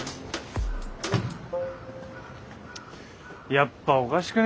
やっぱおかしくね？